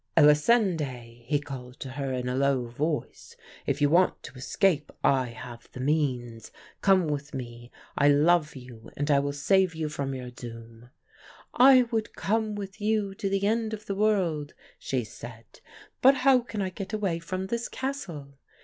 "'Elisinde,' he called to her in a low voice, 'if you want to escape I have the means. Come with me; I love you, and I will save you from your doom.' "'I would come with you to the end of the world,' she said, 'but how can I get away from this castle?